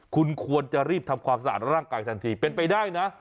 คุณควรจะรีบทำความสะอาดร่างกายทันทีเป็นไปได้นะ